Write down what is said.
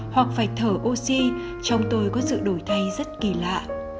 hoặc phải thở oxy trong tôi có sự đổi thay rất kỳ lạ